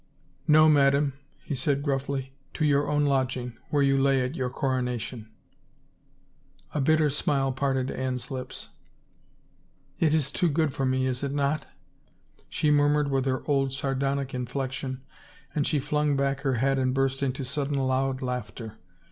" No, madame," he said gruffly, " to your own lodging, where you lay at your coronation." A bitter smile parted Anne's lips. " It is too good for me, is it not ?" she murmured with her old sardonic in flection, and she flung back her head and burst into sud den loud laughter.